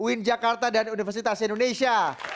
uin jakarta dan universitas indonesia